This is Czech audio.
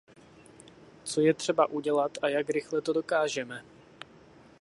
Co je třeba udělat a jak rychle to dokážeme?